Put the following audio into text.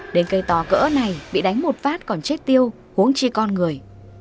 đến cây to cỡ này bị đánh một phát còn chết tiêu huống chi con người